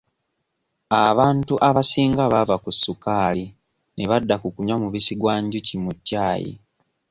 Abantu abasinga baava ku sukaali ne badda ku kunywa mubisi gwa njuki mu ccaayi.